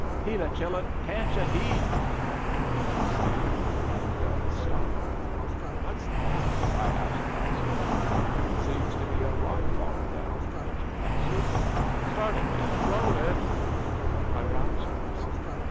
"Heave it, chillun! can't you heave?" I heard our cook say, and felt us stop. "What's that?" I asked, drowsily. "Seems to be a rock fallen down," the Major answered. "Start it, men; roll it!" I roused myself.